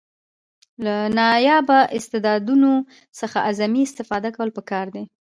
له نایابه استعدادونو څخه اعظمي استفاده کول پکار دي.